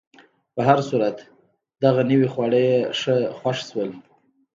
په هر صورت، دغه نوي خواړه یې ښه خوښ شول.